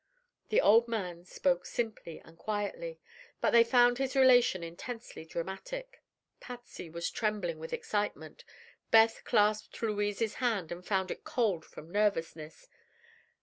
The old man spoke simply and quietly, but they found his relation intensely dramatic. Patsy was trembling with excitement. Beth clasped Louise's hand and found it cold from nervousness.